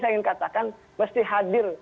saya ingin katakan mesti hadir